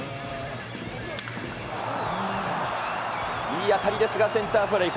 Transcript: いい当たりですが、センターフライ。